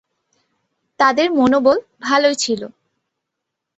তাদের মনোবল ভালোই ছিল।